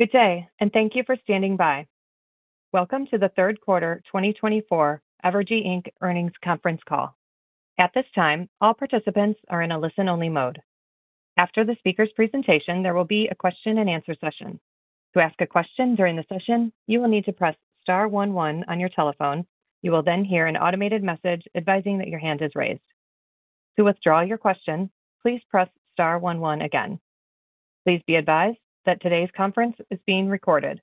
Good day and thank you for standing by. Welcome to the third quarter 2024 Evergy Inc. earnings conference call. At this time, all participants are in a listen-only mode. After the speaker's presentation, there will be a question-and-answer session. To ask a question during the session, you will need to press star one one on your telephone. You will then hear an automated message advising that your hand is raised. To withdraw your question, please press star one one again. Please be advised that today's conference is being recorded.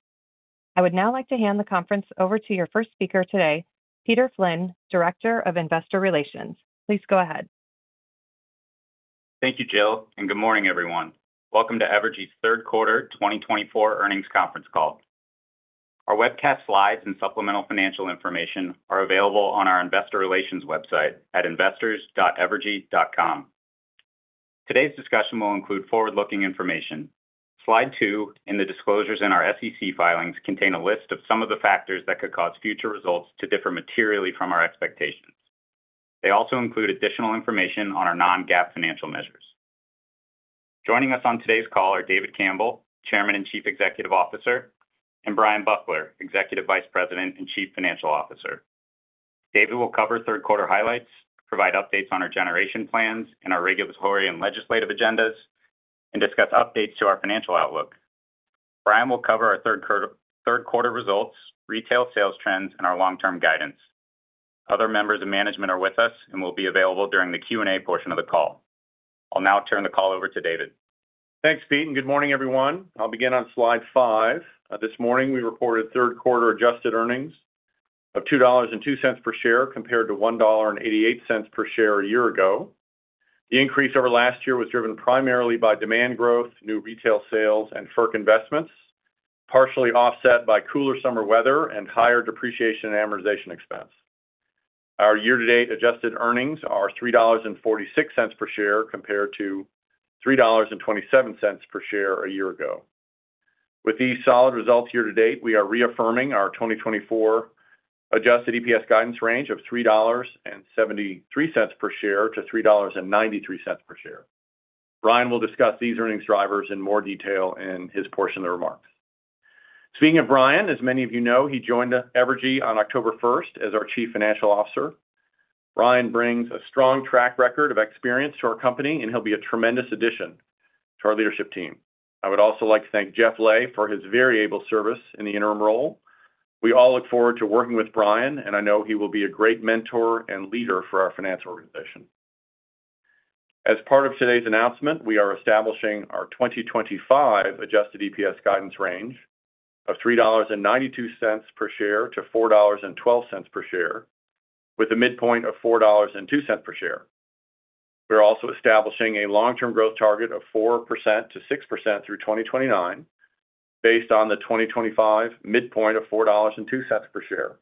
I would now like to hand the conference over to your first speaker today, Peter Flynn, Director of Investor Relations. Please go ahead. Thank you, Jill, and good morning, everyone. Welcome to Evergy's third quarter 2024 earnings conference call. Our webcast slides and supplemental financial information are available on our Investor Relations website at investors.evergy.com. Today's discussion will include forward-looking information. Slide two and the disclosures in our SEC filings contain a list of some of the factors that could cause future results to differ materially from our expectations. They also include additional information on our non-GAAP financial measures. Joining us on today's call are David Campbell, Chairman and Chief Executive Officer, and Bryan Buckler, Executive Vice President and Chief Financial Officer. David will cover third-quarter highlights, provide updates on our generation plans and our regulatory and legislative agendas, and discuss updates to our financial outlook. Bryan will cover our third-quarter results, retail sales trends, and our long-term guidance. Other members of management are with us and will be available during the Q&A portion of the call. I'll now turn the call over to David. Thanks, Pete, and good morning, everyone. I'll begin on slide five. This morning, we reported third quarter adjusted earnings of $2.02 per share compared to $1.88 per share a year ago. The increase over last year was driven primarily by demand growth, new retail sales, and FERC investments, partially offset by cooler summer weather and higher depreciation and amortization expense. Our year-to-date adjusted earnings are $3.46 per share compared to $3.27 per share a year ago. With these solid results year-to-date, we are reaffirming our 2024 adjusted EPS guidance range of $3.73 per share to $3.93 per share. Bryan will discuss these earnings drivers in more detail in his portion of the remarks. Speaking of Bryan, as many of you know, he joined Evergy on October 1st as our Chief Financial Officer. Bryan brings a strong track record of experience to our company, and he'll be a tremendous addition to our leadership team. I would also like to thank Geoff Ley for his very able service in the interim role. We all look forward to working with Bryan, and I know he will be a great mentor and leader for our finance organization. As part of today's announcement, we are establishing our 2025 adjusted EPS guidance range of $3.92-$4.12 per share, with a midpoint of $4.02 per share. We're also establishing a long-term growth target of 4%-6% through 2029, based on the 2025 midpoint of $4.02 per share.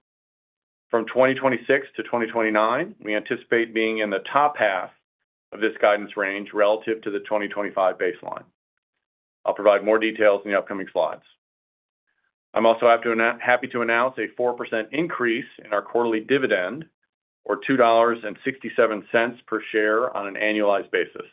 From 2026 to 2029, we anticipate being in the top half of this guidance range relative to the 2025 baseline. I'll provide more details in the upcoming slides. I'm also happy to announce a 4% increase in our quarterly dividend, or $2.67 per share on an annualized basis.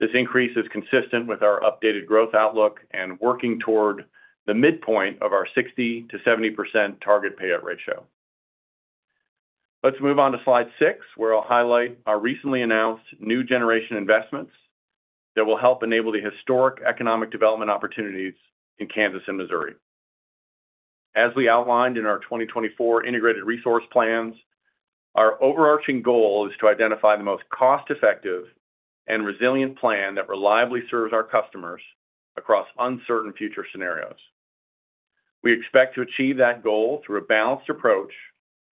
This increase is consistent with our updated growth outlook and working toward the midpoint of our 60%-70% target payout ratio. Let's move on to slide six, where I'll highlight our recently announced new generation investments that will help enable the historic economic development opportunities in Kansas and Missouri. As we outlined in our 2024 Integrated Resource Plans, our overarching goal is to identify the most cost-effective and resilient plan that reliably serves our customers across uncertain future scenarios. We expect to achieve that goal through a balanced approach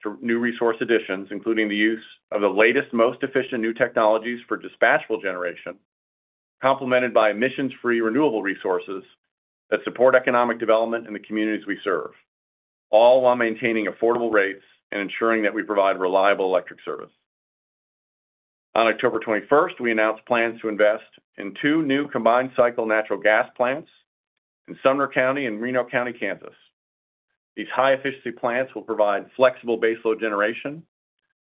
to new resource additions, including the use of the latest, most efficient new technologies for dispatchable generation, complemented by emissions-free renewable resources that support economic development in the communities we serve, all while maintaining affordable rates and ensuring that we provide reliable electric service. On October 21st, we announced plans to invest in two new combined-cycle natural gas plants in Sumner County and Reno County, Kansas. These high-efficiency plants will provide flexible baseload generation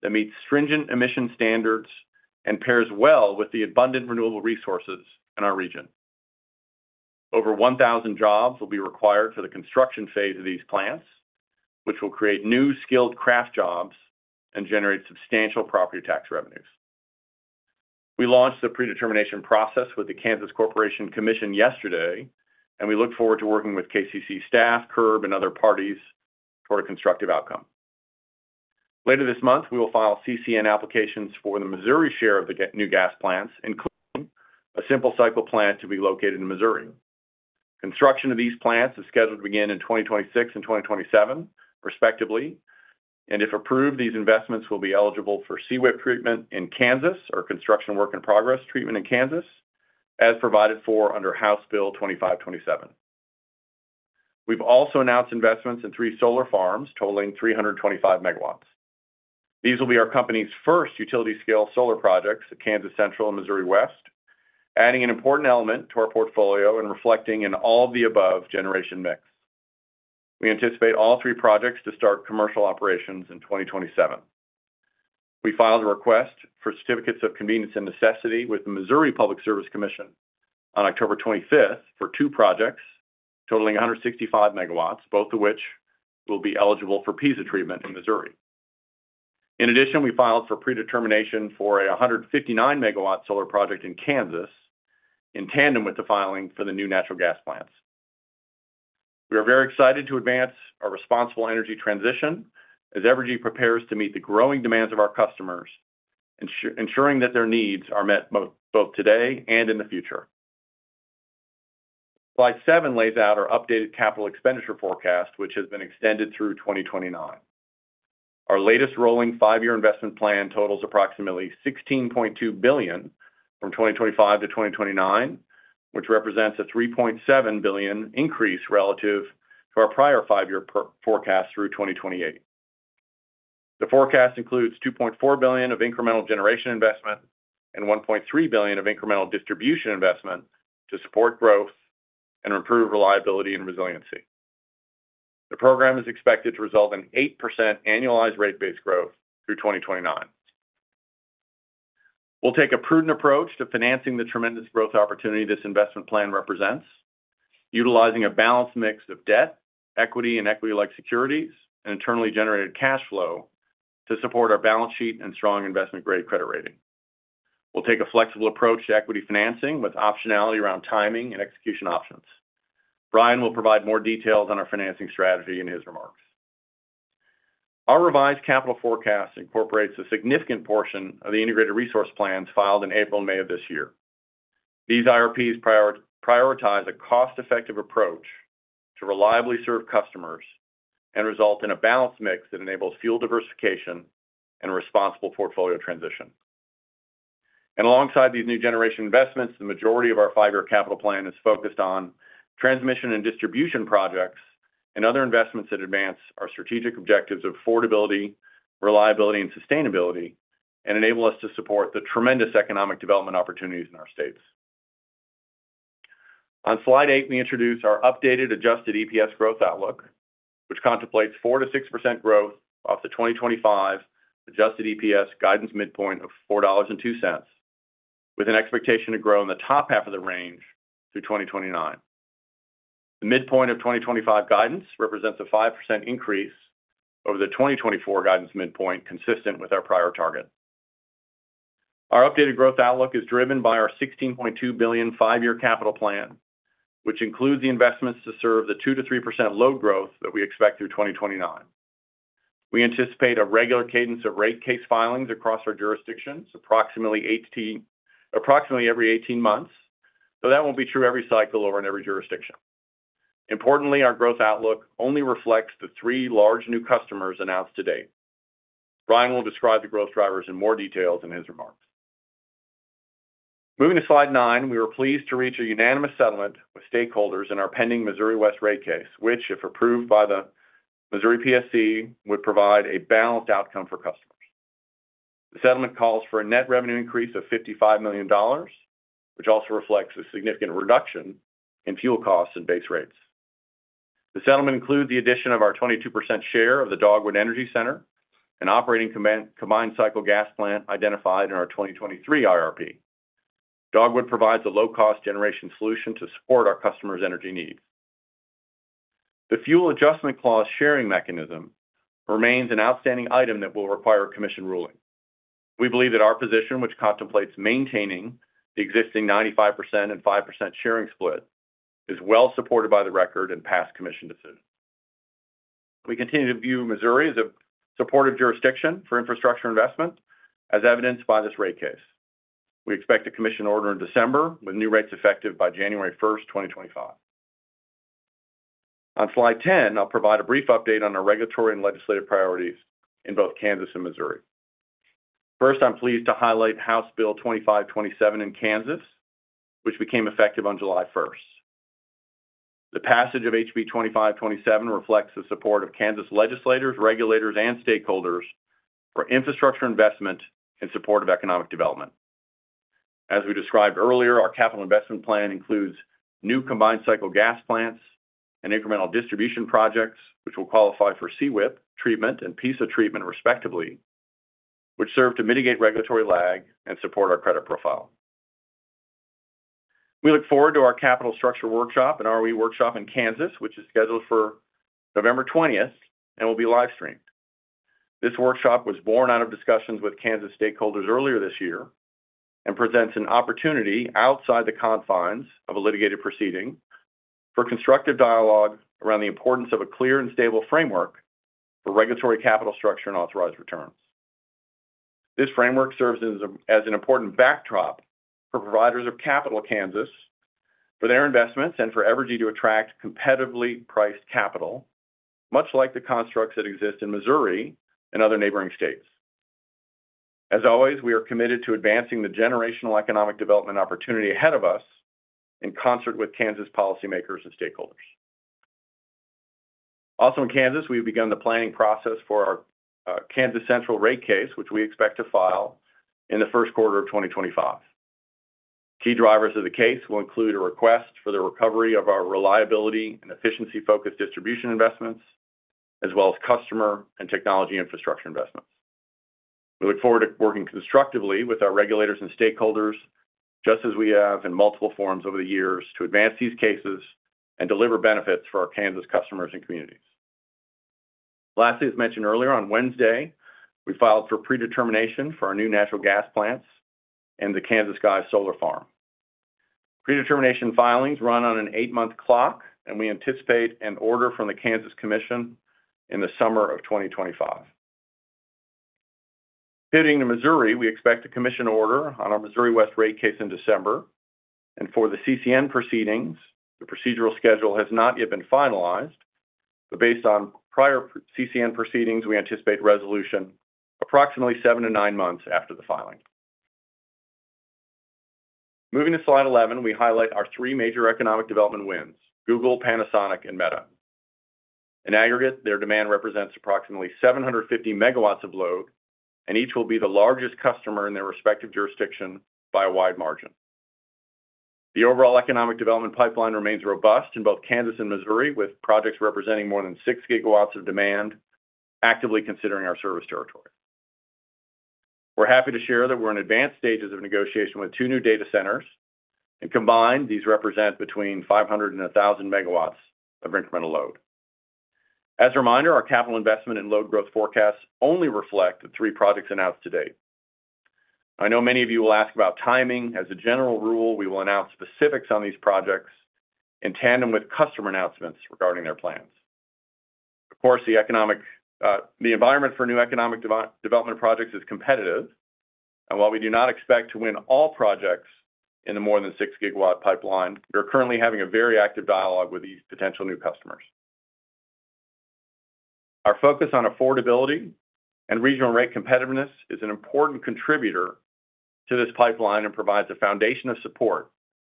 that meets stringent emission standards and pairs well with the abundant renewable resources in our region. Over 1,000 jobs will be required for the construction phase of these plants, which will create new skilled craft jobs and generate substantial property tax revenues. We launched the predetermination process with the Kansas Corporation Commission yesterday, and we look forward to working with KCC staff, CURB, and other parties toward a constructive outcome. Later this month, we will file CCN applications for the Missouri share of the new gas plants, including a simple-cycle plant to be located in Missouri. Construction of these plants is scheduled to begin in 2026 and 2027, respectively, and if approved, these investments will be eligible for CWIP treatment in Kansas or construction work-in-progress treatment in Kansas, as provided for under House Bill 2527. We've also announced investments in three solar farms totaling 325 MW. These will be our company's first utility-scale solar projects at Kansas Central and Missouri West, adding an important element to our portfolio and reflecting in all of the above generation mix. We anticipate all three projects to start commercial operations in 2027. We filed a request for certificates of convenience and necessity with the Missouri Public Service Commission on October 25th for two projects totaling 165 MW, both of which will be eligible for PISA treatment in Missouri. In addition, we filed for predetermination for a 159 MW solar project in Kansas in tandem with the filing for the new natural gas plants. We are very excited to advance our responsible energy transition as Evergy prepares to meet the growing demands of our customers, ensuring that their needs are met both today and in the future. Slide seven lays out our updated capital expenditure forecast, which has been extended through 2029. Our latest rolling five-year investment plan totals approximately $16.2 billion from 2025 to 2029, which represents a $3.7 billion increase relative to our prior five-year forecast through 2028. The forecast includes $2.4 billion of incremental generation investment and $1.3 billion of incremental distribution investment to support growth and improve reliability and resiliency. The program is expected to result in 8% annualized rate base growth through 2029. We'll take a prudent approach to financing the tremendous growth opportunity this investment plan represents, utilizing a balanced mix of debt, equity, and equity-like securities, and internally generated cash flow to support our balance sheet and strong investment-grade credit rating. We'll take a flexible approach to equity financing with optionality around timing and execution options. Bryan will provide more details on our financing strategy in his remarks. Our revised capital forecast incorporates a significant portion of the Integrated Resource Plans filed in April and May of this year. These IRPs prioritize a cost-effective approach to reliably serve customers and result in a balanced mix that enables fuel diversification and responsible portfolio transition. Alongside these new generation investments, the majority of our five-year capital plan is focused on transmission and distribution projects and other investments that advance our strategic objectives of affordability, reliability, and sustainability, and enable us to support the tremendous economic development opportunities in our states. On slide eight, we introduce our updated adjusted EPS growth outlook, which contemplates 4% to 6% growth off the 2025 adjusted EPS guidance midpoint of $4.02, with an expectation to grow in the top half of the range through 2029. The midpoint of 2025 guidance represents a 5% increase over the 2024 guidance midpoint, consistent with our prior target. Our updated growth outlook is driven by our $16.2 billion five-year capital plan, which includes the investments to serve the 2% to 3% load growth that we expect through 2029. We anticipate a regular cadence of rate case filings across our jurisdictions approximately every 18 months, though that won't be true every cycle or in every jurisdiction. Importantly, our growth outlook only reflects the three large new customers announced to date. Bryan will describe the growth drivers in more detail in his remarks. Moving to slide nine, we were pleased to reach a unanimous settlement with stakeholders in our pending Missouri West rate case, which, if approved by the Missouri PSC, would provide a balanced outcome for customers. The settlement calls for a net revenue increase of $55 million, which also reflects a significant reduction in fuel costs and base rates. The settlement includes the addition of our 22% share of the Dogwood Energy Center an operating combined-cycle gas plant identified in our 2023 IRP. Dogwood provides a low-cost generation solution to support our customers' energy needs. The fuel adjustment clause sharing mechanism remains an outstanding item that will require a commission ruling. We believe that our position, which contemplates maintaining the existing 95% and 5% sharing split, is well supported by the record and past commission decisions. We continue to view Missouri as a supportive jurisdiction for infrastructure investment, as evidenced by this rate case. We expect a commission order in December, with new rates effective by January 1st, 2025. On slide 10, I'll provide a brief update on our regulatory and legislative priorities in both Kansas and Missouri. First, I'm pleased to highlight House Bill 2527 in Kansas, which became effective on July 1st. The passage of HB 2527 reflects the support of Kansas legislators, regulators, and stakeholders for infrastructure investment in support of economic development. As we described earlier, our capital investment plan includes new combined-cycle gas plants and incremental distribution projects, which will qualify for CWIP treatment and PISA treatment, respectively, which serve to mitigate regulatory lag and support our credit profile. We look forward to our capital structure workshop and ROE workshop in Kansas, which is scheduled for November 20th and will be livestreamed. This workshop was born out of discussions with Kansas stakeholders earlier this year and presents an opportunity outside the confines of a litigated proceeding for constructive dialogue around the importance of a clear and stable framework for regulatory capital structure and authorized returns. This framework serves as an important backdrop for providers of capital in Kansas for their investments and for Evergy to attract competitively priced capital, much like the constructs that exist in Missouri and other neighboring states. As always, we are committed to advancing the generational economic development opportunity ahead of us in concert with Kansas policymakers and stakeholders. Also in Kansas, we've begun the planning process for our Kansas Central rate case, which we expect to file in the first quarter of 2025. Key drivers of the case will include a request for the recovery of our reliability and efficiency-focused distribution investments, as well as customer and technology infrastructure investments. We look forward to working constructively with our regulators and stakeholders, just as we have in multiple forums over the years, to advance these cases and deliver benefits for our Kansas customers and communities. Lastly, as mentioned earlier, on Wednesday, we filed for predetermination for our new natural gas plants and the Kansas Sky Solar Farm. Predetermination filings run on an eight-month clock, and we anticipate an order from the Kansas Commission in the summer of 2025. Pivoting to Missouri, we expect a commission order on our Missouri West rate case in December. For the CCN proceedings, the procedural schedule has not yet been finalized, but based on prior CCN proceedings, we anticipate resolution approximately seven to nine months after the filing. Moving to slide 11, we highlight our three major economic development wins: Google, Panasonic, and Meta. In aggregate, their demand represents approximately 750 MW of load, and each will be the largest customer in their respective jurisdiction by a wide margin. The overall economic development pipeline remains robust in both Kansas and Missouri, with projects representing more than 6 GW of demand actively considering our service territory. We're happy to share that we're in advanced stages of negotiation with two new data centers, and combined, these represent between 500 MW and 1,000 MW of incremental load. As a reminder, our capital investment and load growth forecasts only reflect the three projects announced to date. I know many of you will ask about timing. As a general rule, we will announce specifics on these projects in tandem with customer announcements regarding their plans. Of course, the environment for new economic development projects is competitive, and while we do not expect to win all projects in the more than 6 GW pipeline, we are currently having a very active dialogue with these potential new customers. Our focus on affordability and regional rate competitiveness is an important contributor to this pipeline and provides a foundation of support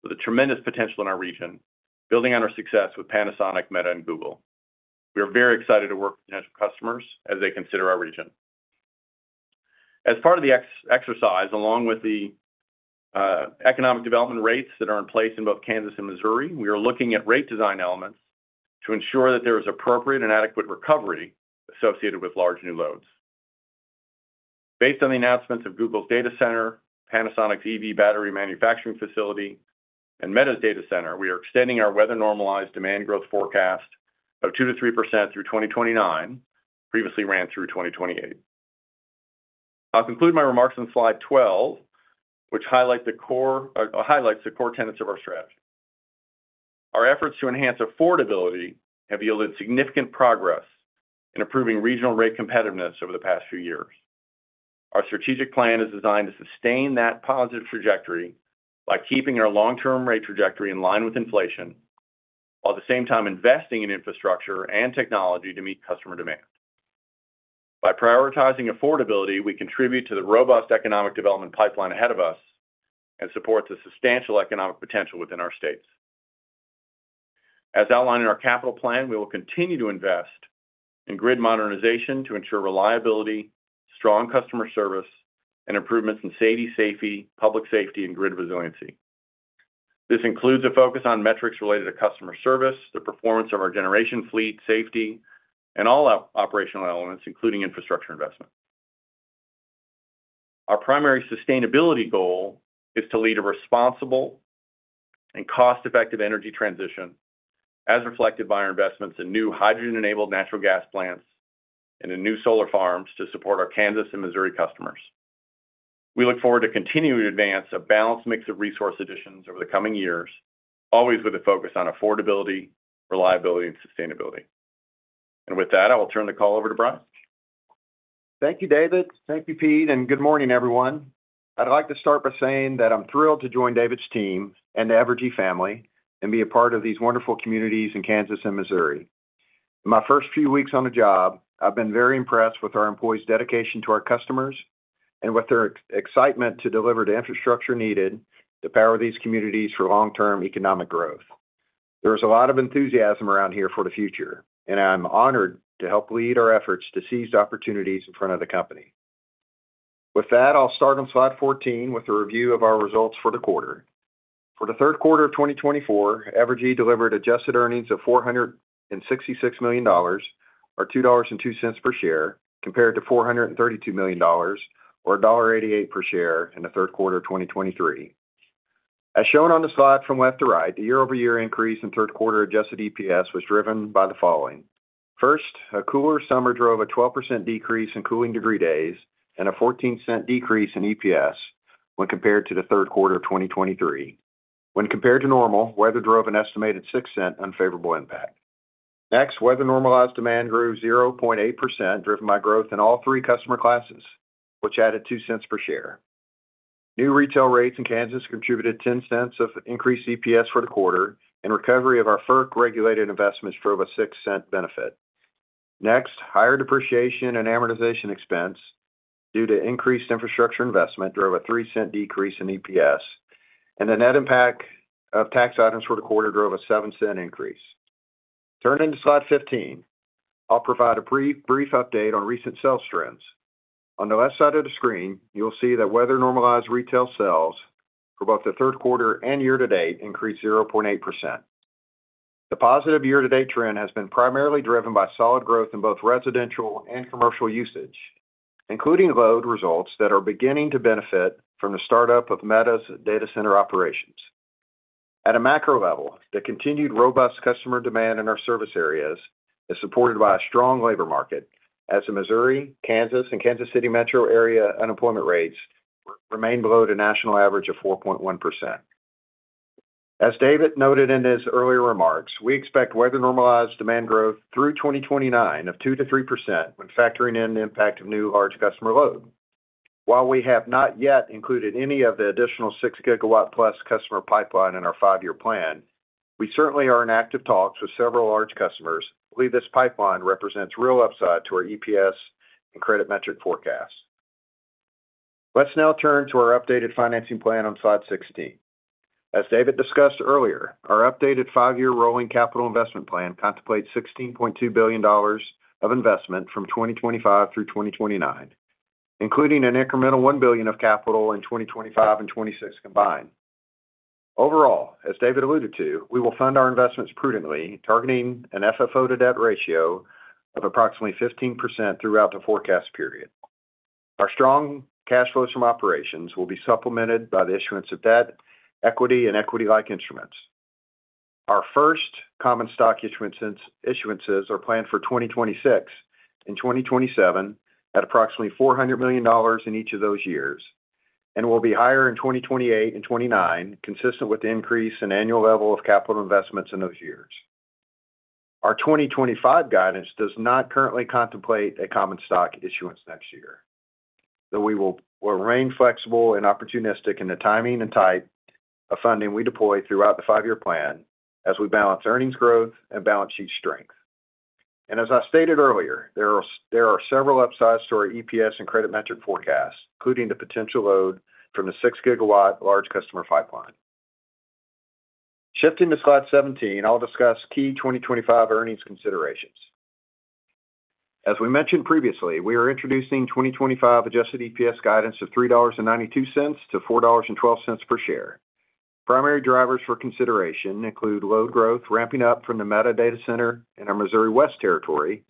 for the tremendous potential in our region, building on our success with Panasonic, Meta, and Google. We are very excited to work with potential customers as they consider our region. As part of the exercise, along with the economic development rates that are in place in both Kansas and Missouri, we are looking at rate design elements to ensure that there is appropriate and adequate recovery associated with large new loads. Based on the announcements of Google's data center, Panasonic's EV battery manufacturing facility, and Meta's data center, we are extending our weather-normalized demand growth forecast of 2%-3% through 2029, previously ran through 2028. I'll conclude my remarks on slide 12, which highlights the core tenets of our strategy. Our efforts to enhance affordability have yielded significant progress in improving regional rate competitiveness over the past few years. Our strategic plan is designed to sustain that positive trajectory by keeping our long-term rate trajectory in line with inflation, while at the same time investing in infrastructure and technology to meet customer demand. By prioritizing affordability, we contribute to the robust economic development pipeline ahead of us and support the substantial economic potential within our states. As outlined in our capital plan, we will continue to invest in grid modernization to ensure reliability, strong customer service, and improvements in safety, public safety, and grid resiliency. This includes a focus on metrics related to customer service, the performance of our generation fleet, safety, and all operational elements, including infrastructure investment. Our primary sustainability goal is to lead a responsible and cost-effective energy transition, as reflected by our investments in new hydrogen-enabled natural gas plants and in new solar farms to support our Kansas and Missouri customers. We look forward to continuing to advance a balanced mix of resource additions over the coming years, always with a focus on affordability, reliability, and sustainability, and with that, I will turn the call over to Bryan. Thank you, David. Thank you, Pete. And good morning, everyone. I'd like to start by saying that I'm thrilled to join David's team and the Evergy family and be a part of these wonderful communities in Kansas and Missouri. In my first few weeks on the job, I've been very impressed with our employees' dedication to our customers and with their excitement to deliver the infrastructure needed to power these communities for long-term economic growth. There is a lot of enthusiasm around here for the future, and I'm honored to help lead our efforts to seize opportunities in front of the company. With that, I'll start on slide 14 with a review of our results for the quarter. For the third quarter of 2024, Evergy delivered adjusted earnings of $466 million, or $2.02 per share, compared to $432 million, or $1.88 per share in the third quarter of 2023. As shown on the slide from left to right, the year-over-year increase in third-quarter adjusted EPS was driven by the following. First, a cooler summer drove a 12% decrease in cooling degree days and a 14% decrease in EPS when compared to the third quarter of 2023. When compared to normal, weather drove an estimated 6% unfavorable impact. Next, weather-normalized demand grew 0.8%, driven by growth in all three customer classes, which added $0.02 per share. New retail rates in Kansas contributed $0.10 of increased EPS for the quarter, and recovery of our FERC-regulated investments drove a $0.06 benefit. Next, higher depreciation and amortization expense due to increased infrastructure investment drove a $0.03 decrease in EPS, and the net impact of tax items for the quarter drove a $0.07 increase. Turning to slide 15, I'll provide a brief update on recent sales trends. On the left side of the screen, you'll see that weather-normalized retail sales for both the third quarter and year-to-date increased 0.8%. The positive year-to-date trend has been primarily driven by solid growth in both residential and commercial usage, including load results that are beginning to benefit from the startup of Meta's data center operations. At a macro level, the continued robust customer demand in our service areas is supported by a strong labor market, as the Missouri, Kansas, and Kansas City metro area unemployment rates remain below the national average of 4.1%. As David noted in his earlier remarks, we expect weather-normalized demand growth through 2029 of 2%-3% when factoring in the impact of new large customer load. While we have not yet included any of the additional 6 GW+ customer pipeline in our five-year plan, we certainly are in active talks with several large customers to believe this pipeline represents real upside to our EPS and credit metric forecasts. Let's now turn to our updated financing plan on slide 16. As David discussed earlier, our updated five-year rolling capital investment plan contemplates $16.2 billion of investment from 2025 through 2029, including an incremental $1 billion of capital in 2025 and 2026 combined. Overall, as David alluded to, we will fund our investments prudently, targeting an FFO-to-debt ratio of approximately 15% throughout the forecast period. Our strong cash flows from operations will be supplemented by the issuance of debt, equity, and equity-like instruments. Our first common stock issuance is planned for 2026 and 2027 at approximately $400 million in each of those years, and will be higher in 2028 and 2029, consistent with the increase in annual level of capital investments in those years. Our 2025 guidance does not currently contemplate a common stock issuance next year, though we will remain flexible and opportunistic in the timing and type of funding we deploy throughout the five-year plan as we balance earnings growth and balance sheet strength. As I stated earlier, there are several upsides to our EPS and credit metric forecasts, including the potential load from the 6 GW large customer pipeline. Shifting to slide 17, I'll discuss key 2025 earnings considerations. As we mentioned previously, we are introducing 2025 adjusted EPS guidance of $3.92-$4.12 per share. Primary drivers for consideration include load growth ramping up from the Meta data center in our Missouri West territory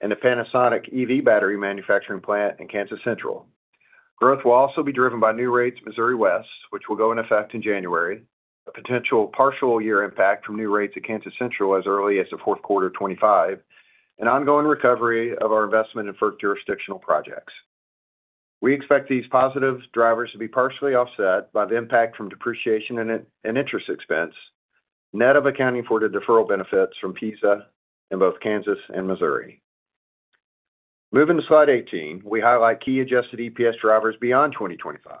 and the Panasonic EV battery manufacturing plant in Kansas Central. Growth will also be driven by new rates Missouri West, which will go into effect in January, a potential partial year impact from new rates at Kansas Central as early as the fourth quarter of 2025, and ongoing recovery of our investment in FERC jurisdictional projects. We expect these positive drivers to be partially offset by the impact from depreciation and interest expense, net of accounting for the deferral benefits from PISA in both Kansas and Missouri. Moving to slide 18, we highlight key adjusted EPS drivers beyond 2025,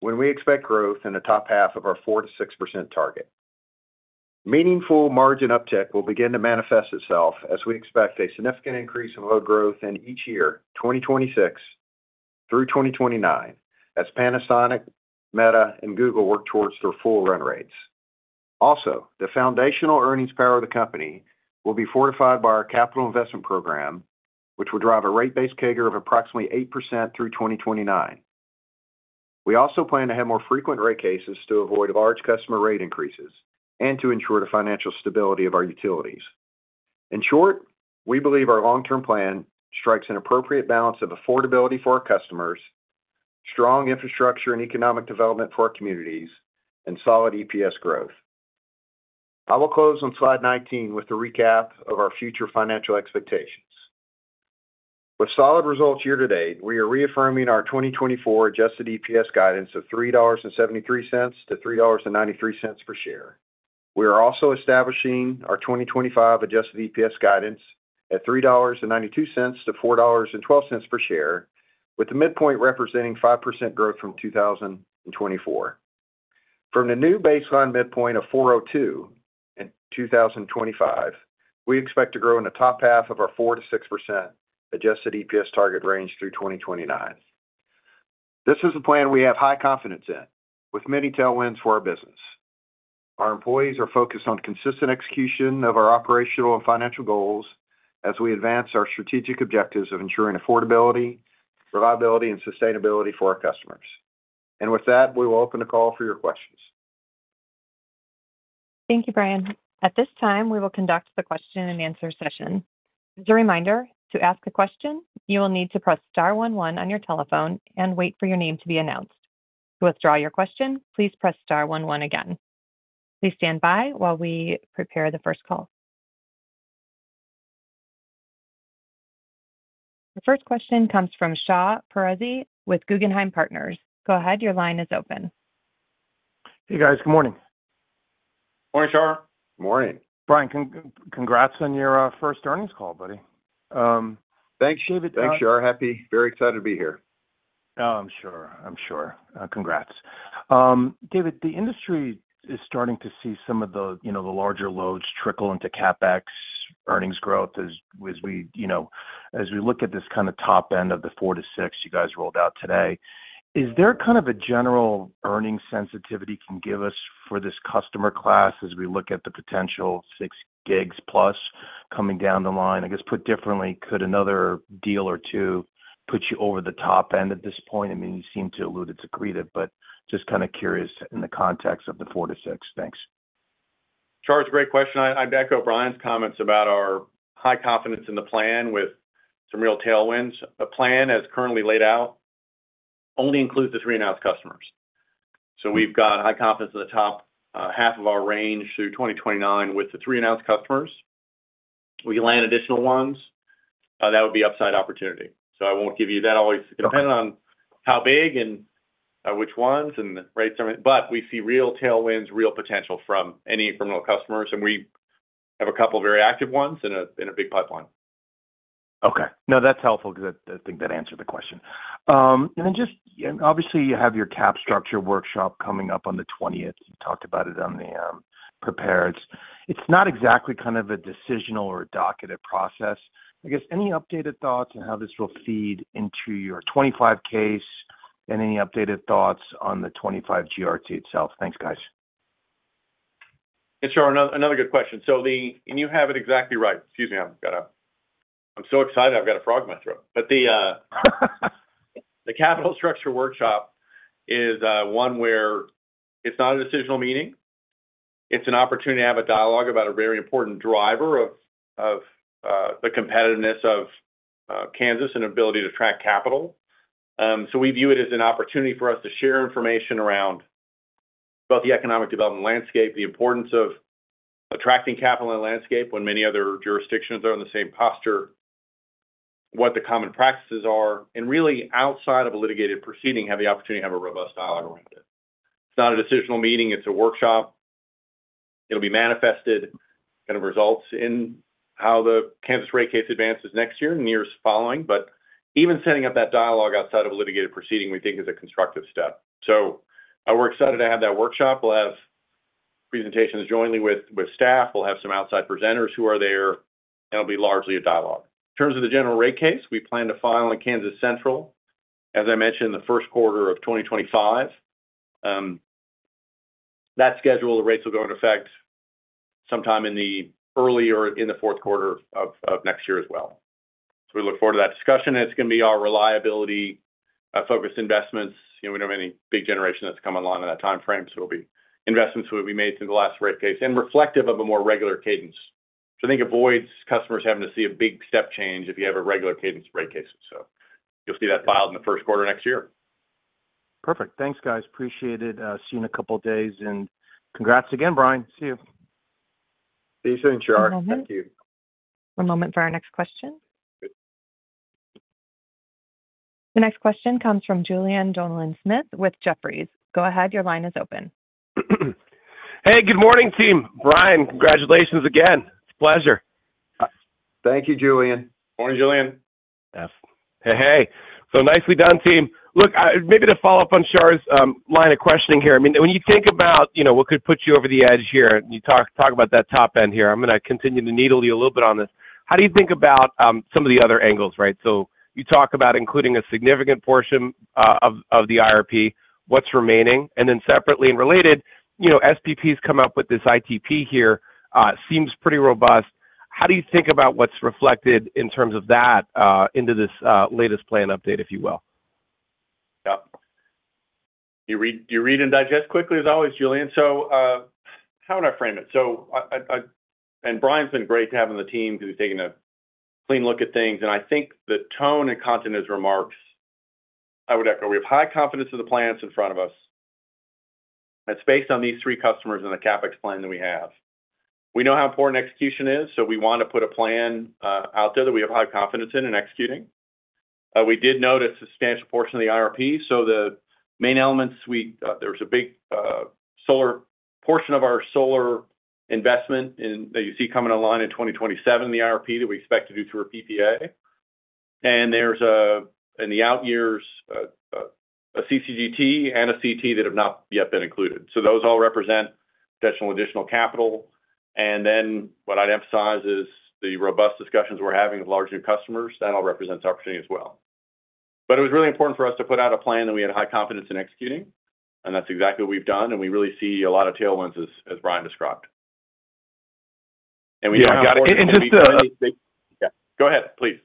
when we expect growth in the top half of our 4%-6% target. Meaningful margin uptick will begin to manifest itself as we expect a significant increase in load growth in each year, 2026 through 2029, as Panasonic, Meta, and Google work towards their full run rates. Also, the foundational earnings power of the company will be fortified by our capital investment program, which will drive a rate base CAGR of approximately 8% through 2029. We also plan to have more frequent rate cases to avoid large customer rate increases and to ensure the financial stability of our utilities. In short, we believe our long-term plan strikes an appropriate balance of affordability for our customers, strong infrastructure and economic development for our communities, and solid EPS growth. I will close on slide 19 with a recap of our future financial expectations. With solid results year-to-date, we are reaffirming our 2024 adjusted EPS guidance of $3.73-$3.93 per share. We are also establishing our 2025 adjusted EPS guidance at $3.92-$4.12 per share, with the midpoint representing 5% growth from 2024. From the new baseline midpoint of $4.02 in 2025, we expect to grow in the top half of our 4%-6% adjusted EPS target range through 2029. This is a plan we have high confidence in, with many tailwinds for our business. Our employees are focused on consistent execution of our operational and financial goals as we advance our strategic objectives of ensuring affordability, reliability, and sustainability for our customers. And with that, we will open the call for your questions. Thank you, Bryan. At this time, we will conduct the question-and-answer session. As a reminder, to ask a question, you will need to press star one one on your telephone and wait for your name to be announced. To withdraw your question, please press star one one again. Please stand by while we prepare the first call. The first question comes from Shar Pourreza with Guggenheim Partners. Go ahead. Your line is open. Hey, guys. Good morning. Morning, Shar. Morning. Bryan, congrats on your first earnings call, buddy. Thanks, Shar. I'm sure happy, very excited to be here. Oh, I'm sure. I'm sure. Congrats. David, the industry is starting to see some of the larger loads trickle into CapEx earnings growth as we look at this kind of top end of the 4%-6% you guys rolled out today. Is there kind of a general earnings sensitivity you can give us for this customer class as we look at the potential 6 GW+ coming down the line? I guess put differently, could another deal or two put you over the top end at this point? I mean, you seem to allude it's already in it, but just kind of curious in the context of the 4%-6%. Thanks. Shar, great question. I'd echo Bryan's comments about our high confidence in the plan with some real tailwinds. The plan, as currently laid out, only includes the three announced customers. So we've got high confidence in the top half of our range through 2029 with the three announced customers. We land additional ones, that would be upside opportunity. So I won't give you that. Depending on how big and which ones and the rates and everything, but we see real tailwinds, real potential from any incremental customers, and we have a couple of very active ones in a big pipeline. Okay. No, that's helpful because I think that answered the question. And then just obviously, you have your cap structure workshop coming up on the 20th. You talked about it on the prepared. It's not exactly kind of a decisional or a docketed process. I guess any updated thoughts on how this will feed into your 2025 case and any updated thoughts on the 2025 GRT itself? Thanks, guys. Hey, Shar, another good question. So you have it exactly right. Excuse me. I'm so excited. I've got a frog in my throat. But the capital structure workshop is one where it's not a decisional meeting. It's an opportunity to have a dialogue about a very important driver of the competitiveness of Kansas and ability to attract capital. So we view it as an opportunity for us to share information around both the economic development landscape, the importance of attracting capital in the landscape when many other jurisdictions are in the same posture, what the common practices are, and really outside of a litigated proceeding, have the opportunity to have a robust dialogue around it. It's not a decisional meeting. It's a workshop. It'll be manifested. It kind of results in how the Kansas rate case advances next year and years following. But even setting up that dialogue outside of a litigated proceeding, we think, is a constructive step. So we're excited to have that workshop. We'll have presentations jointly with staff. We'll have some outside presenters who are there. It'll be largely a dialogue. In terms of the general rate case, we plan to file in Kansas Central, as I mentioned, the first quarter of 2025. That schedule, the rates will go into effect sometime in the early or in the fourth quarter of next year as well. So we look forward to that discussion. It's going to be our reliability-focused investments. We don't have any big generation that's coming along in that timeframe. So it'll be investments that will be made through the last rate case and reflective of a more regular cadence, which I think avoids customers having to see a big step change if you have a regular cadence rate case. So you'll see that filed in the first quarter next year. Perfect. Thanks, guys. Appreciate it. See you in a couple of days. And congrats again, Bryan. See you. See you soon, Shar. Thank you. One moment for our next question. The next question comes from Julien Dumoulin-Smith with Jefferies. Go ahead. Your line is open. Hey, good morning, team. Bryan, congratulations again. It's a pleasure. Thank you, Julien. Morning, Julien. Hey, hey. So nicely done, team. Look, maybe to follow up on Shar's line of questioning here, I mean, when you think about what could put you over the edge here, and you talk about that top end here, I'm going to continue to needle you a little bit on this. How do you think about some of the other angles, right? So you talk about including a significant portion of the IRP, what's remaining, and then separately and related, SPP's come up with this ITP here. Seems pretty robust. How do you think about what's reflected in terms of that into this latest plan update, if you will? Yeah. You read and digest quickly, as always, Julien. So how would I frame it? And Bryan's been great to have on the team because we've taken a clean look at things. And I think the tone and content of his remarks, I would echo. We have high confidence in the plans in front of us. It's based on these three customers and the CapEx plan that we have. We know how important execution is, so we want to put a plan out there that we have high confidence in and executing. We did note a substantial portion of the IRP. So the main elements, there's a big portion of our solar investment that you see coming online in 2027 in the IRP that we expect to do through a PPA. And there's, in the out years, a CCGT and a CT that have not yet been included. So those all represent additional capital and then what I'd emphasize is the robust discussions we're having with large new customers. That all represents opportunity as well. But it was really important for us to put out a plan that we had high confidence in executing. And that's exactly what we've done. And we really see a lot of tailwinds, as Bryan described. And we have got to. And just. Yeah. Go ahead, please.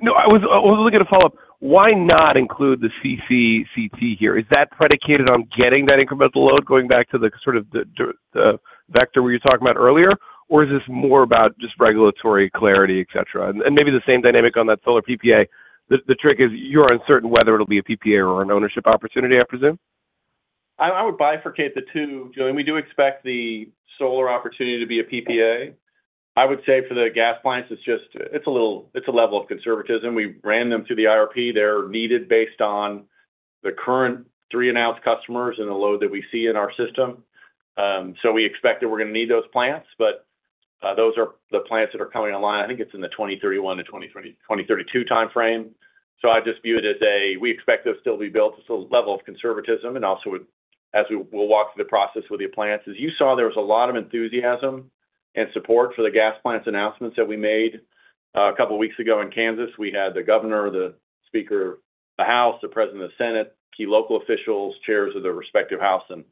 No, I was looking to follow up. Why not include the CCCT here? Is that predicated on getting that incremental load going back to the sort of the vector we were talking about earlier, or is this more about just regulatory clarity, etc.? And maybe the same dynamic on that solar PPA. The trick is you're uncertain whether it'll be a PPA or an ownership opportunity, I presume? I would bifurcate the two, Julien. We do expect the solar opportunity to be a PPA. I would say for the gas plants, it's a level of conservatism. We ran them through the IRP. They're needed based on the current three announced customers and the load that we see in our system. So we expect that we're going to need those plants. But those are the plants that are coming online. I think it's in the 2031-2032 timeframe. So I just view it as we expect those to still be built. It's a level of conservatism. And also, as we'll walk through the process with the plants, you saw there was a lot of enthusiasm and support for the gas plants announcements that we made a couple of weeks ago in Kansas. We had the governor, the speaker of the House, the president of the Senate, key local officials, chairs of the respective House and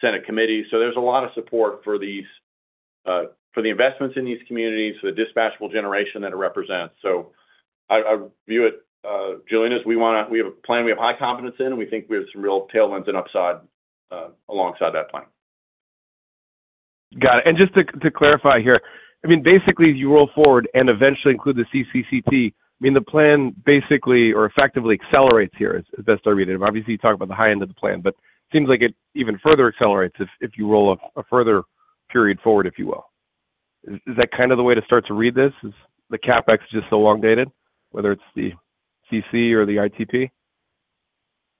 Senate committees. So there's a lot of support for the investments in these communities, for the dispatchable generation that it represents. So I view it, Julien, as we have a plan we have high confidence in, and we think we have some real tailwinds and upside alongside that plan. Got it. And just to clarify here, I mean, basically, you roll forward and eventually include the CCCT. I mean, the plan basically or effectively accelerates here, as best I read it. Obviously, you talk about the high end of the plan, but it seems like it even further accelerates if you roll a further period forward, if you will. Is that kind of the way to start to read this? Is the CapEx just so long dated, whether it's the CC or the ITP?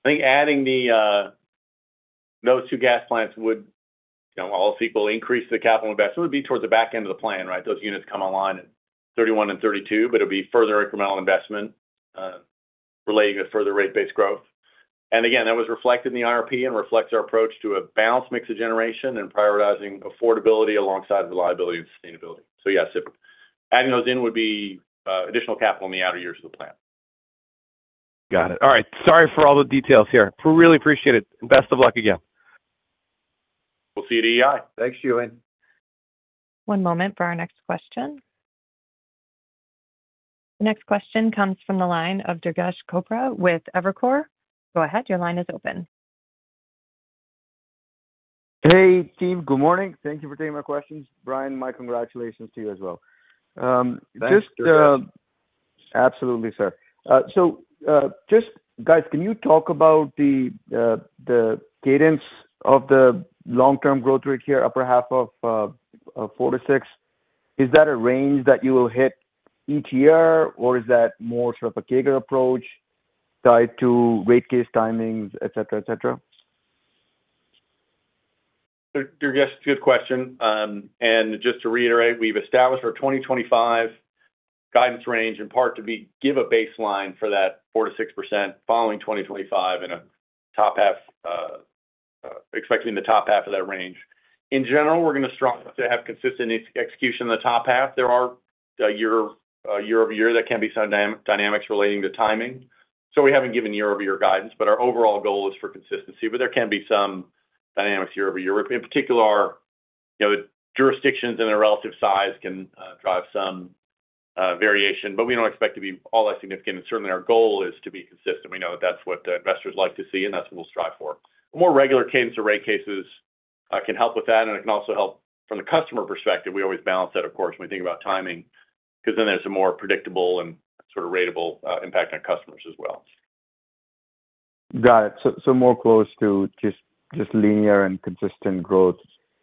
I think adding those two gas plants would, will increase the capital investment. It would be towards the back end of the plan, right? Those units come online in 2031 and 2032, but it would be further incremental investment relating to further rate base growth. And again, that was reflected in the IRP and reflects our approach to a balanced mix of generation and prioritizing affordability alongside reliability and sustainability. So yes, adding those in would be additional capital in the outer years of the plan. Got it. All right. Sorry for all the details here. We really appreciate it. And best of luck again. We'll see you at EEI. Thanks, Julien. One moment for our next question. The next question comes from the line of Durgesh Chopra with Evercore. Go ahead. Your line is open. Hey, team. Good morning. Thank you for taking my questions. Bryan, my congratulations to you as well. Thank you. Absolutely, sir. So just, guys, can you talk about the cadence of the long-term growth rate here, upper half of 4%-6%? Is that a range that you will hit each year, or is that more sort of a CAGR approach tied to rate case timings, etc., etc.? Durgesh, good question. And just to reiterate, we've established our 2025 guidance range in part to give a baseline for that 4%-6% following 2025 in a top half, expecting the top half of that range. In general, we're going to strongly have consistent execution in the top half. There are year-over-year that can be some dynamics relating to timing. So we haven't given year-over-year guidance, but our overall goal is for consistency. But there can be some dynamics year-over-year. In particular, jurisdictions and their relative size can drive some variation, but we don't expect to be all that significant. And certainly, our goal is to be consistent. We know that that's what investors like to see, and that's what we'll strive for. A more regular cadence of rate cases can help with that, and it can also help from the customer perspective. We always balance that, of course, when we think about timing because then there's a more predictable and sort of ratable impact on customers as well. Got it. So more close to just linear and consistent growth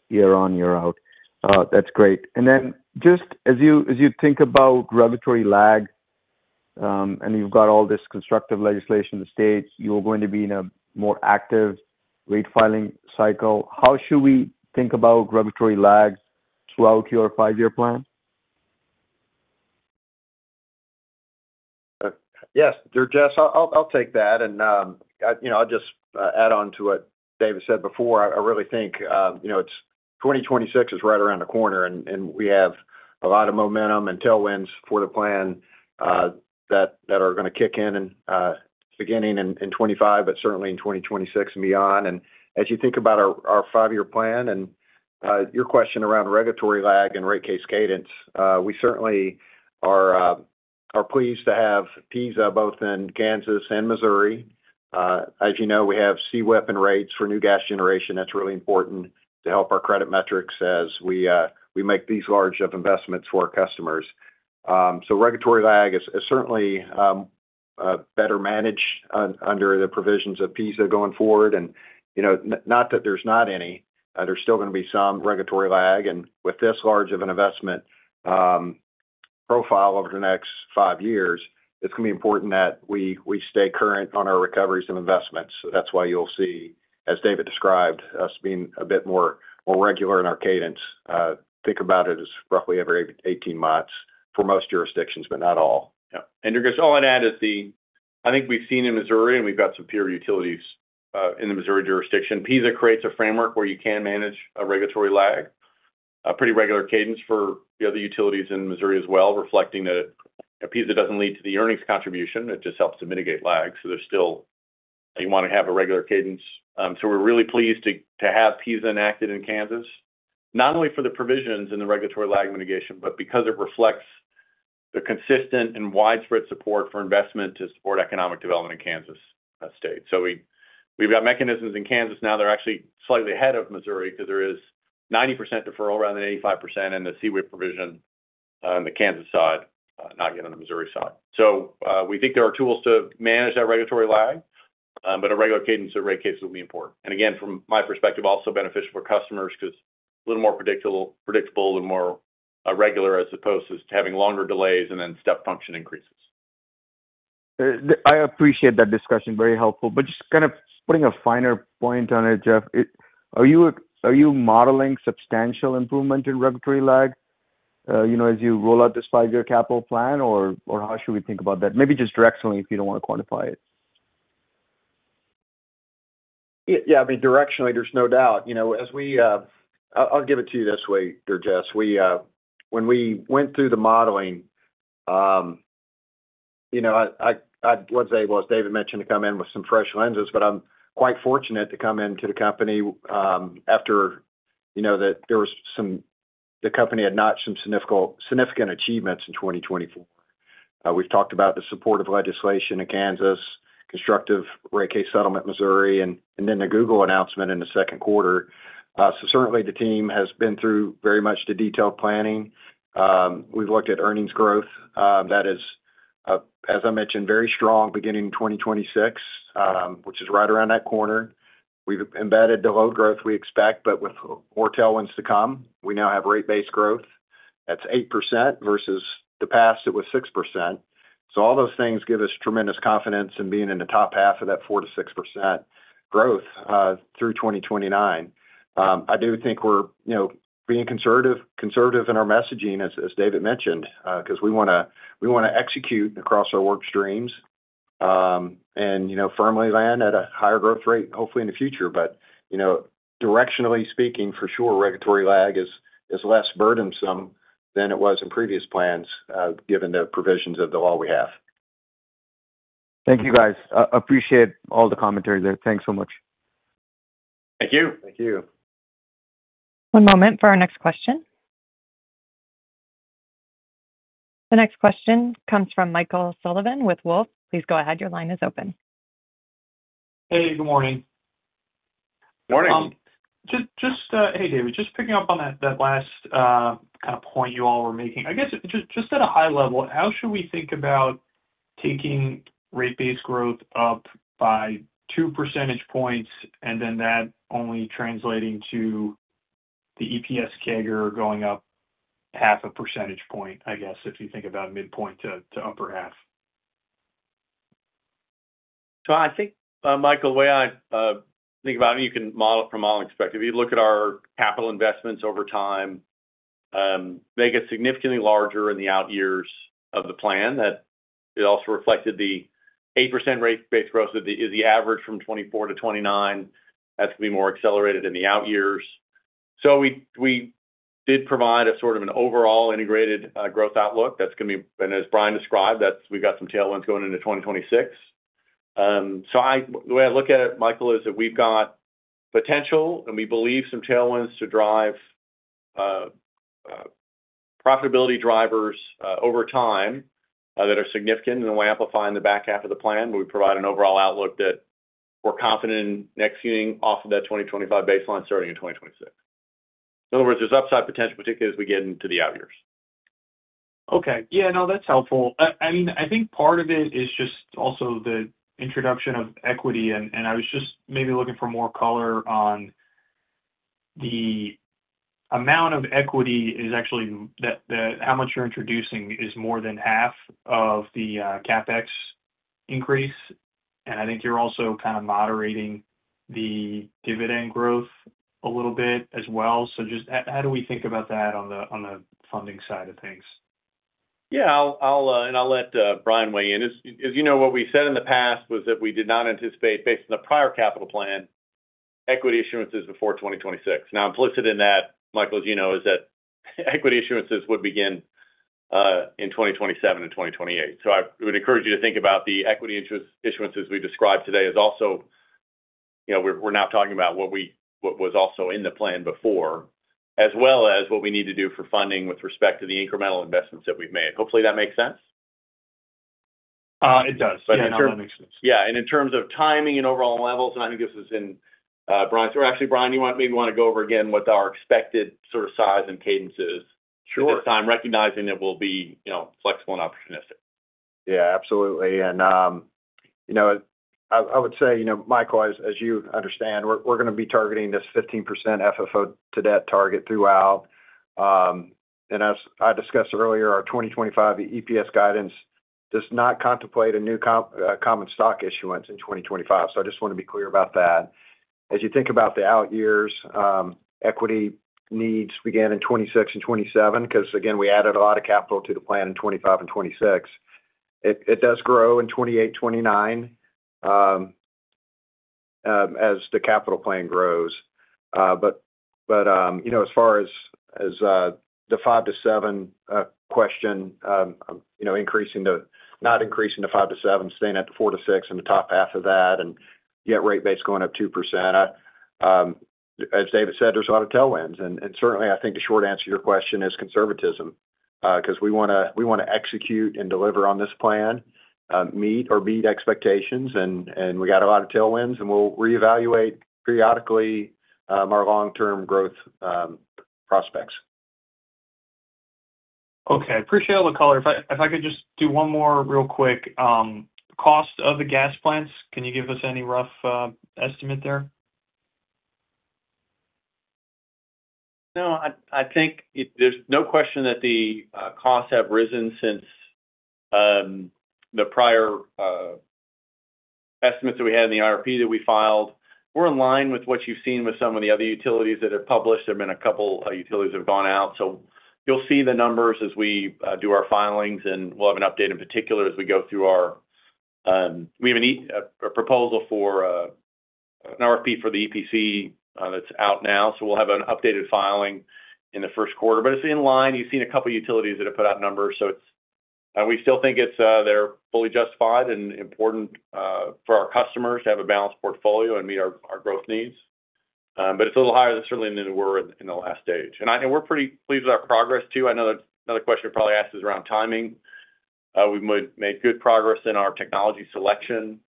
year-on-year out. That's great. And then just as you think about regulatory lag and you've got all this constructive legislation in the state, you're going to be in a more active rate filing cycle. How should we think about regulatory lag throughout your five-year plan? Yes. Durgesh, I'll take that. And I'll just add on to what David said before. I really think 2026 is right around the corner, and we have a lot of momentum and tailwinds for the plan that are going to kick in in the beginning in 2025, but certainly in 2026 and beyond. And as you think about our five-year plan and your question around regulatory lag and rate case cadence, we certainly are pleased to have PISA both in Kansas and Missouri. As you know, we have CWIP and rates for new gas generation. That's really important to help our credit metrics as we make these large investments for our customers. So regulatory lag is certainly better managed under the provisions of PISA going forward. And not that there's not any. There's still going to be some regulatory lag. And with this large of an investment profile over the next five years, it's going to be important that we stay current on our recoveries and investments. That's why you'll see, as David described, us being a bit more regular in our cadence. Think about it as roughly every 18 months for most jurisdictions, but not all. Yeah. And Durgesh, all I'd add is, I think we've seen in Missouri, and we've got some peer utilities in the Missouri jurisdiction. PISA creates a framework where you can manage a regulatory lag, a pretty regular cadence for the other utilities in Missouri as well, reflecting that PISA doesn't lead to the earnings contribution. It just helps to mitigate lag. So there's still you want to have a regular cadence. So we're really pleased to have PISA enacted in Kansas, not only for the provisions and the regulatory lag mitigation, but because it reflects the consistent and widespread support for investment to support economic development in Kansas State. So we've got mechanisms in Kansas now that are actually slightly ahead of Missouri because there is 90% deferral, rather than 85%, in the CWIP provision on the Kansas side, not yet on the Missouri side. So we think there are tools to manage that regulatory lag, but a regular cadence of rate cases will be important. And again, from my perspective, also beneficial for customers because a little more predictable, a little more regular, as opposed to having longer delays and then step function increases. I appreciate that discussion. Very helpful. But just kind of putting a finer point on it, just, are you modeling substantial improvement in regulatory lag as you roll out this five-year capital plan, or how should we think about that? Maybe just directionally if you don't want to quantify it. Yeah. I mean, directionally, there's no doubt. I'll give it to you this way, Durgesh. When we went through the modeling, I was able, as David mentioned, to come in with some fresh lenses, but I'm quite fortunate to come into the company after the company had notched some significant achievements in 2024. We've talked about the supportive legislation in Kansas, constructive rate case settlement in Missouri, and then the Google announcement in the second quarter. So certainly, the team has been through very much the detailed planning. We've looked at earnings growth. That is, as I mentioned, very strong beginning in 2026, which is right around that corner. We've embedded the load growth we expect, but with more tailwinds to come, we now have rate base growth. That's 8% versus the past, it was 6%. So all those things give us tremendous confidence in being in the top half of that 4%-6% growth through 2029. I do think we're being conservative in our messaging, as David mentioned, because we want to execute across our work streams and firmly land at a higher growth rate, hopefully, in the future. But directionally speaking, for sure, regulatory lag is less burdensome than it was in previous plans given the provisions of the law we have. Thank you, guys. Appreciate all the commentary there. Thanks so much. Thank you. Thank you. One moment for our next question. The next question comes from Michael Sullivan with Wolfe. Please go ahead. Your line is open. Hey, good morning. Morning. Just, hey, David, just picking up on that last kind of point you all were making. I guess just at a high level, how should we think about taking rate base growth up by two percentage points and then that only translating to the EPS CAGR going up half a percentage point, I guess, if you think about midpoint to upper half? So I think, Michael, the way I think about it, you can model from all aspects. If you look at our capital investments over time, they get significantly larger in the out years of the plan. That also reflected the 8% rate base growth is the average from 2024 to 2029. That's going to be more accelerated in the out years. So we did provide a sort of an overall integrated growth outlook. That's going to be, and as Bryan described, we've got some tailwinds going into 2026. So the way I look at it, Michael, is that we've got potential, and we believe some tailwinds to drive profitability drivers over time that are significant. And then we're amplifying the back half of the plan. We provide an overall outlook that we're confident in executing off of that 2025 baseline starting in 2026. In other words, there's upside potential, particularly as we get into the out years. Okay. Yeah. No, that's helpful. I mean, I think part of it is just also the introduction of equity. And I was just maybe looking for more color on the amount of equity is actually how much you're introducing is more than half of the CapEx increase. And I think you're also kind of moderating the dividend growth a little bit as well. So just how do we think about that on the funding side of things? Yeah. And I'll let Bryan weigh in. As you know, what we said in the past was that we did not anticipate, based on the prior capital plan, equity issuances before 2026. Now, implicit in that, Michael, as you know, is that equity issuances would begin in 2027 and 2028. So I would encourage you to think about the equity issuances we described today as also we're now talking about what was also in the plan before, as well as what we need to do for funding with respect to the incremental investments that we've made. Hopefully, that makes sense. It does. Yeah. I think that makes sense. Yeah, and in terms of timing and overall levels, and I think this is in Bryan's or actually, Bryan, you maybe want to go over again what our expected sort of size and cadence is at this time, recognizing that we'll be flexible and opportunistic. Yeah. Absolutely. And I would say, Michael, as you understand, we're going to be targeting this 15% FFO-to-debt target throughout. And as I discussed earlier, our 2025 EPS guidance does not contemplate a new common stock issuance in 2025. So I just want to be clear about that. As you think about the out years, equity needs begin in 2026 and 2027 because, again, we added a lot of capital to the plan in 2025 and 2026. It does grow in 2028 and 2029 as the capital plan grows. But as far as the 5%-7% question, not increasing to 5%-7%, staying at the 4%-6% and the top half of that, and yet rate base going up 2%, as David said, there's a lot of tailwinds. Certainly, I think the short answer to your question is conservatism because we want to execute and deliver on this plan, meet or beat expectations. We got a lot of tailwinds, and we'll reevaluate periodically our long-term growth prospects. Okay. Appreciate all the color. If I could just do one more real quick, cost of the gas plants. Can you give us any rough estimate there? No. I think there's no question that the costs have risen since the prior estimates that we had in the IRP that we filed. We're in line with what you've seen with some of the other utilities that have published. There have been a couple of utilities that have gone out. So you'll see the numbers as we do our filings, and we'll have an update in particular as we go through, we have a proposal for an RFP for the EPC that's out now. So we'll have an updated filing in the first quarter. But it's in line. You've seen a couple of utilities that have put out numbers. So we still think they're fully justified and important for our customers to have a balanced portfolio and meet our growth needs. But it's a little higher than certainly we were in the last stage. And we're pretty pleased with our progress, too. I know another question you probably asked is around timing. We've made good progress in our technology selection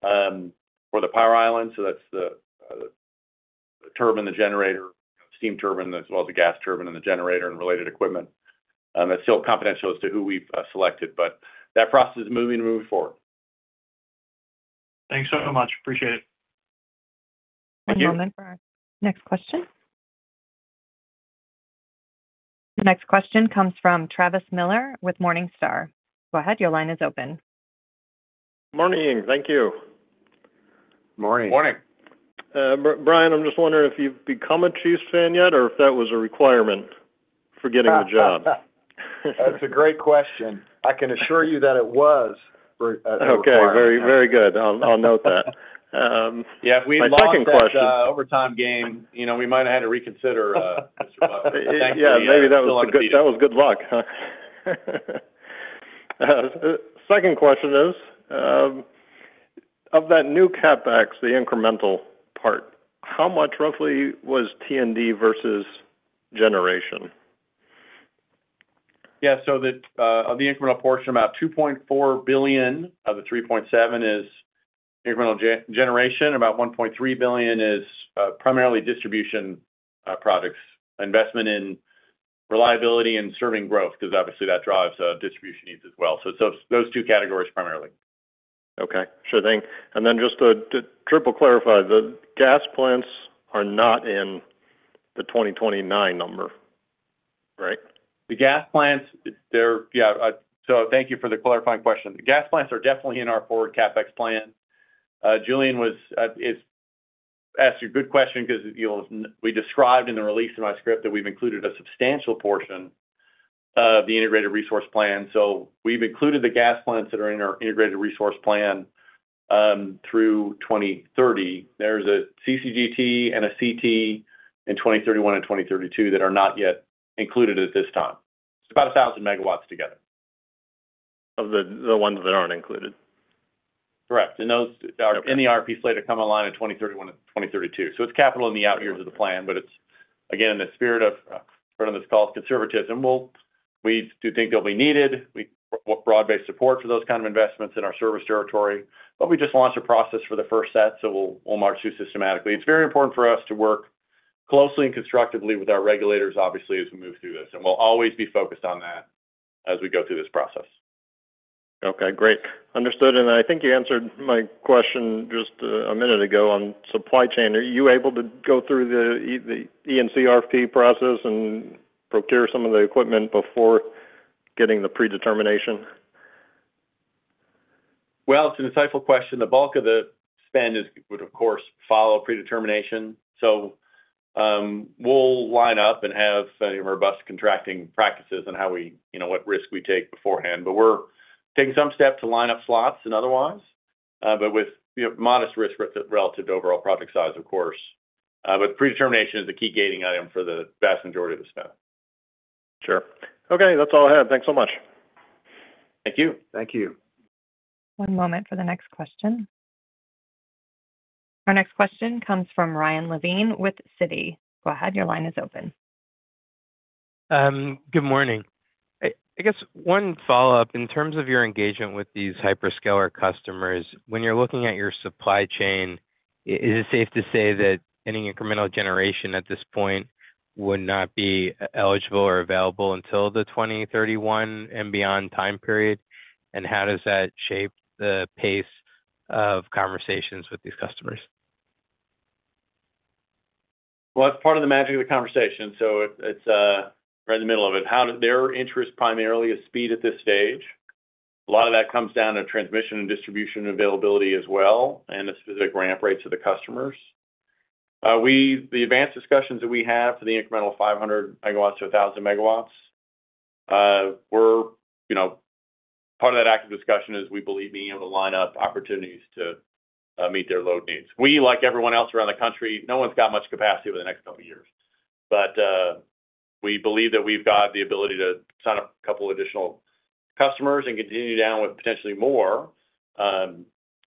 for the power island. So that's the turbine, the generator, steam turbine, as well as the gas turbine and the generator and related equipment. That's still confidential as to who we've selected, but that process is moving forward. Thanks so much. Appreciate it. One moment for our next question. The next question comes from Travis Miller with Morningstar. Go ahead. Your line is open. Morning. Thank you. Morning. Morning. Bryan, I'm just wondering if you've become a Chiefs fan yet or if that was a requirement for getting the job? That's a great question. I can assure you that it was. Okay. Very good. I'll note that. Yeah. My second question. Overtime game, we might have had to reconsider. Yeah. Maybe that was good luck. That was good luck. Second question is, of that new CapEx, the incremental part, how much roughly was T&D versus generation? Yeah. So of the incremental portion, about $2.4 billion of the $3.7 billion is incremental generation. About $1.3 billion is primarily distribution projects, investment in reliability and serving growth because obviously that drives distribution needs as well. So those two categories primarily. Okay. Sure thing, and then just to triple clarify, the gas plants are not in the 2029 number, right? The gas plants, they're. So thank you for the clarifying question. The gas plants are definitely in our forward CapEx plan. Julien asked you a good question because we described in the release of my script that we've included a substantial portion of the integrated resource plan. So we've included the gas plants that are in our integrated resource plan through 2030. There's a CCGT and a CT in 2031 and 2032 that are not yet included at this time. It's about 1,000 MW together. Of the ones that aren't included? Correct. Those in the IRP slate are coming online in 2031 and 2032. It's capital in the out years of the plan, but it's, again, in the spirit of this call's conservatism. We do think they'll be needed. We have broad-based support for those kinds of investments in our service territory. We just launched a process for the first set, so we'll march through systematically. It's very important for us to work closely and constructively with our regulators, obviously, as we move through this. We'll always be focused on that as we go through this process. Okay. Great. Understood. And I think you answered my question just a minute ago on supply chain. Are you able to go through the E&C RFP process and procure some of the equipment before getting the predetermination? It's an insightful question. The bulk of the spend would, of course, follow predetermination. So we'll line up and have robust contracting practices on what risk we take beforehand. But we're taking some steps to line up slots and otherwise, but with modest risk relative to overall project size, of course. But predetermination is the key gating item for the vast majority of the spend. Sure. Okay. That's all I had. Thanks so much. Thank you. Thank you. One moment for the next question. Our next question comes from Ryan Levine with Citi. Go ahead. Your line is open. Good morning. I guess one follow-up. In terms of your engagement with these hyperscaler customers, when you're looking at your supply chain, is it safe to say that any incremental generation at this point would not be eligible or available until the 2031 and beyond time period? And how does that shape the pace of conversations with these customers? It's part of the magic of the conversation. It's right in the middle of it. Their interest primarily is speed at this stage. A lot of that comes down to transmission and distribution availability as well and the specific ramp rates of the customers. The advanced discussions that we have for the incremental 500 MW-1,000 MW, part of that active discussion is we believe being able to line up opportunities to meet their load needs. We, like everyone else around the country, no one's got much capacity over the next couple of years. We believe that we've got the ability to sign up a couple of additional customers and continue down with potentially more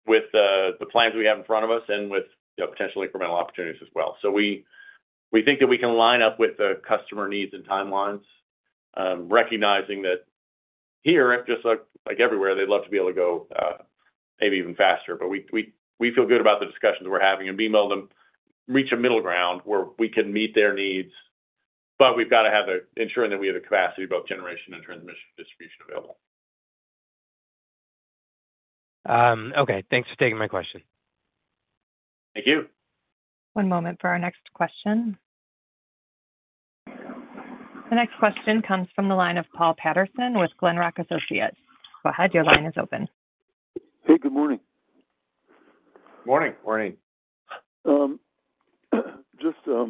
with the plans we have in front of us and with potential incremental opportunities as well. So we think that we can line up with the customer needs and timelines, recognizing that here, just like everywhere, they'd love to be able to go maybe even faster. But we feel good about the discussions we're having and being able to reach a middle ground where we can meet their needs, but we've got to ensure that we have the capacity to both generation and transmission distribution available. Okay. Thanks for taking my question. Thank you. One moment for our next question. The next question comes from the line of Paul Patterson with Glenrock Associates. Go ahead. Your line is open. Hey, good morning. Morning. Morning. Just a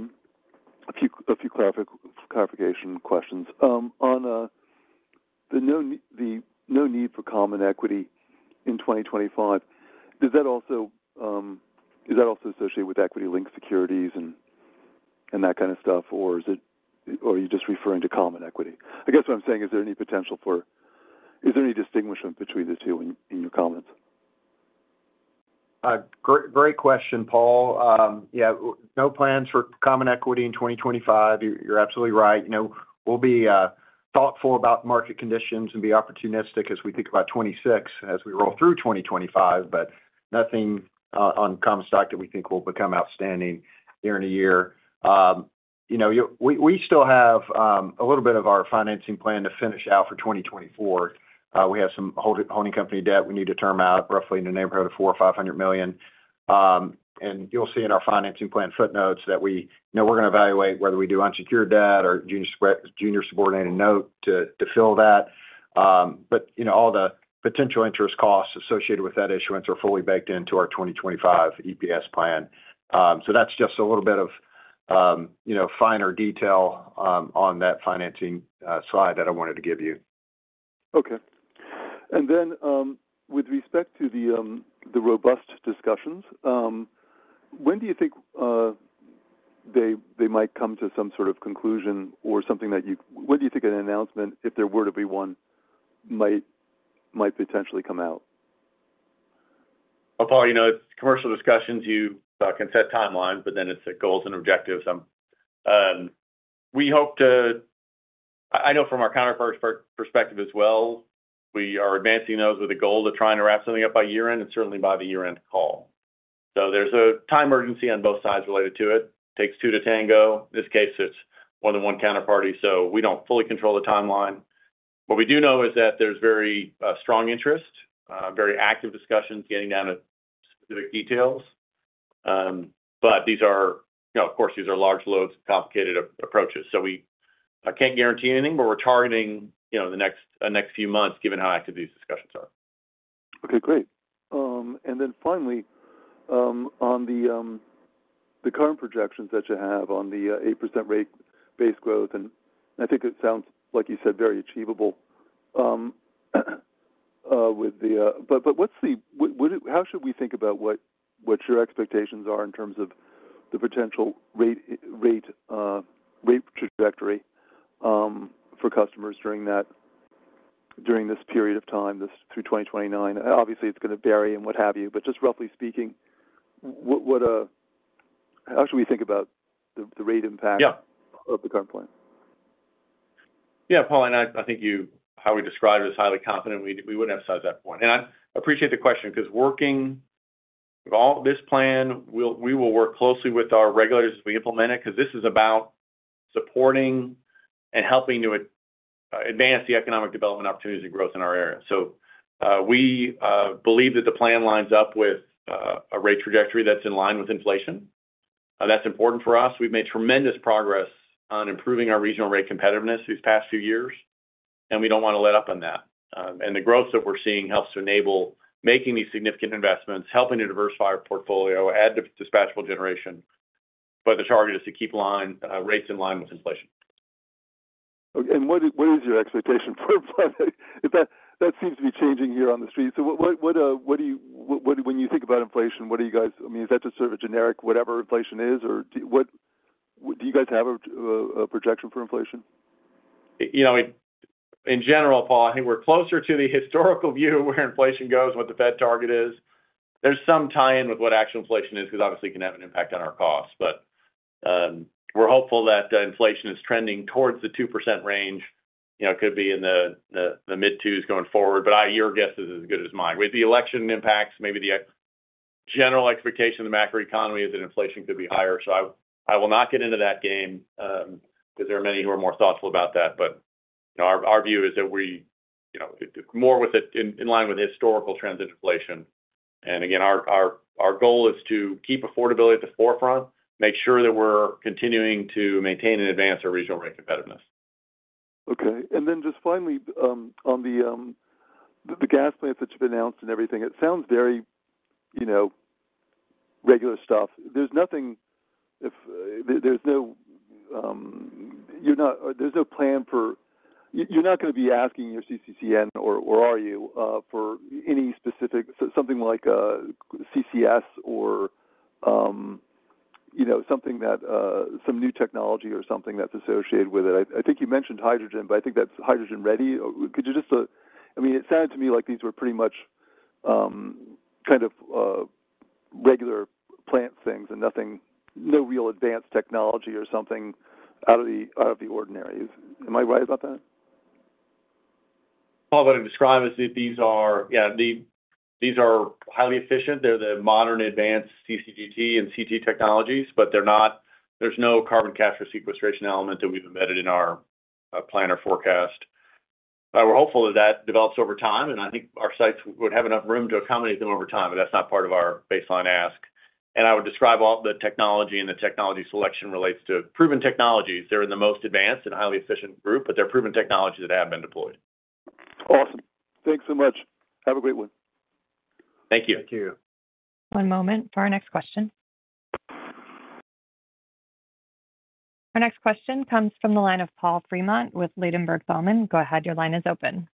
few clarification questions. On the no need for common equity in 2025, is that also associated with equity-linked securities and that kind of stuff, or are you just referring to common equity? I guess what I'm saying is, is there any potential for distinction between the two in your comments? Great question, Paul. Yeah. No plans for common equity in 2025. You're absolutely right. We'll be thoughtful about market conditions and be opportunistic as we think about 2026, as we roll through 2025, but nothing on common stock that we think will become outstanding year in a year. We still have a little bit of our financing plan to finish out for 2024. We have some holding company debt we need to term out roughly in the neighborhood of $400 million-$500 million. And you'll see in our financing plan footnotes that we're going to evaluate whether we do unsecured debt or junior subordinated note to fill that. But all the potential interest costs associated with that issuance are fully baked into our 2025 EPS plan. So that's just a little bit of finer detail on that financing slide that I wanted to give you. Okay. And then with respect to the robust discussions, when do you think they might come to some sort of conclusion or something? When do you think an announcement, if there were to be one, might potentially come out? Well, Paul, commercial discussions. You can set timelines, but then it's the goals and objectives. We hope to. I know from our counterpart's perspective as well. We are advancing those with a goal to try and wrap something up by year-end and certainly by the year-end call. So there's a time urgency on both sides related to it. It takes two to tango. In this case, it's more than one counterparty, so we don't fully control the timeline. What we do know is that there's very strong interest, very active discussions getting down to specific details. But of course, these are large loads, complicated approaches. So we can't guarantee anything, but we're targeting the next few months given how active these discussions are. Okay. Great. And then finally, on the current projections that you have on the 8% rate base growth, and I think it sounds, like you said, very achievable with the—but how should we think about what your expectations are in terms of the potential rate trajectory for customers during this period of time, through 2029? Obviously, it's going to vary and what have you, but just roughly speaking, how should we think about the rate impact of the current plan? Yeah. Paul, I think how we described it is highly confident. We wouldn't emphasize that point. And I appreciate the question because, working with this plan, we will work closely with our regulators as we implement it because this is about supporting and helping to advance the economic development opportunities and growth in our area. So we believe that the plan lines up with a rate trajectory that's in line with inflation. That's important for us. We've made tremendous progress on improving our regional rate competitiveness these past few years, and we don't want to let up on that. And the growth that we're seeing helps to enable making these significant investments, helping to diversify our portfolio, add to dispatchable generation. But the target is to keep rates in line with inflation. And what is your expectation for that? That seems to be changing here on the Street. So when you think about inflation, what do you guys—I mean, is that just sort of a generic whatever inflation is, or do you guys have a projection for inflation? In general, Paul, I think we're closer to the historical view of where inflation goes, what the Fed target is. There's some tie-in with what actual inflation is because obviously it can have an impact on our costs, but we're hopeful that inflation is trending towards the 2% range. It could be in the mid-2s going forward, but your guess is as good as mine. With the election impacts, maybe the general expectation of the macroeconomy is that inflation could be higher, so I will not get into that game because there are many who are more thoughtful about that, but our view is that we, more with it in line with historical trends in inflation, and again, our goal is to keep affordability at the forefront, make sure that we're continuing to maintain and advance our regional rate competitiveness. Okay. And then just finally, on the gas plants that you've announced and everything, it sounds very regular stuff. There's nothing, you're not, there's no plan for, you're not going to be asking your CCN, or are you, for any specific, something like CCS or something that, some new technology or something that's associated with it. I think you mentioned hydrogen, but I think that's hydrogen-ready. Could you just, I mean, it sounded to me like these were pretty much kind of regular plant things and no real advanced technology or something out of the ordinary. Am I right about that? What I'm describing is that these are, yeah, these are highly efficient. They're the modern advanced CCGT and CT technologies, but there's no carbon capture sequestration element that we've embedded in our plan or forecast. We're hopeful that that develops over time, and I think our sites would have enough room to accommodate them over time, but that's not part of our baseline ask. And I would describe all the technology and the technology selection relates to proven technologies. They're in the most advanced and highly efficient group, but they're proven technologies that have been deployed. Awesome. Thanks so much. Have a great one. Thank you. Thank you. One moment for our next question. Our next question comes from the line of Paul Fremont with Ladenburg Thalmann. Go ahead. Your line is open.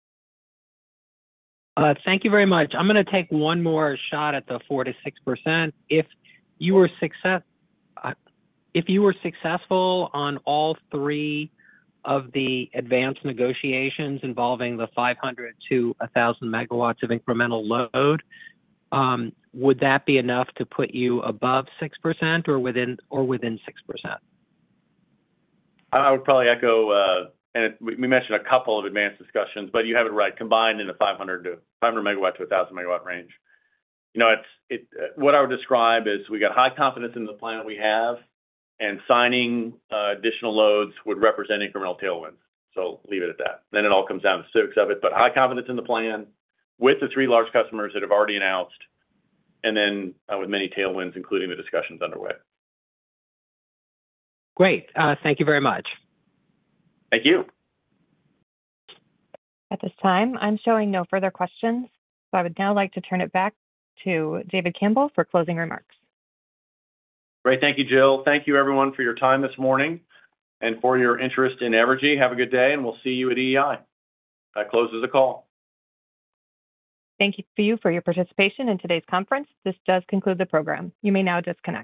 Thank you very much. I'm going to take one more shot at the 4%-6%. If you were successful on all three of the advanced negotiations involving the 500 MW-1,000 MW of incremental load, would that be enough to put you above 6% or within 6%? I would probably echo, and we mentioned a couple of advanced discussions, but you have it right, combined in the 500 MW-1,000 MW range. What I would describe is we got high confidence in the plan that we have, and signing additional loads would represent incremental tailwinds. So I'll leave it at that. Then it all comes down to the economics of it. But high confidence in the plan with the three large customers that have already announced, and then with many tailwinds, including the discussions underway. Great. Thank you very much. Thank you. At this time, I'm showing no further questions. So I would now like to turn it back to David Campbell for closing remarks. Great. Thank you, Jill. Thank you, everyone, for your time this morning and for your interest in Evergy. Have a good day, and we'll see you at EEI. That closes the call. Thank you for your participation in today's conference. This does conclude the program. You may now disconnect.